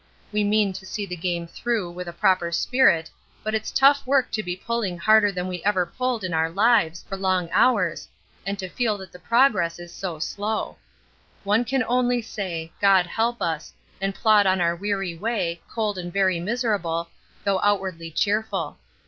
We mean to see the game through with a proper spirit, but it's tough work to be pulling harder than we ever pulled in our lives for long hours, and to feel that the progress is so slow. One can only say 'God help us!' and plod on our weary way, cold and very miserable, though outwardly cheerful.